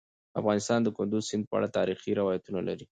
افغانستان د کندز سیند په اړه تاریخي روایتونه لري.